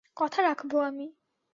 কথা রাখব আমি।